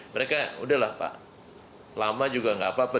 mereka udahlah pak lama juga gak apa apa